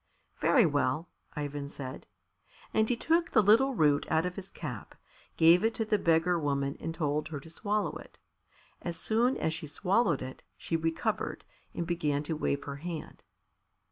"Very well," Ivan said. And he took the little root out of his cap, gave it to the beggar woman and told her to swallow it. As soon as she swallowed it, she recovered, and began to wave her hand.